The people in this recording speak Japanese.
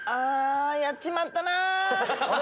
やっちまったなぁ。